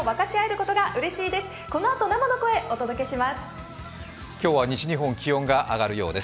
このあと生の声をお届けします。